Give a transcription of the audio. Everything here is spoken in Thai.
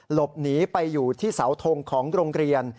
หลบหนีไปอยู่ที่เสาทงของโรงเรียน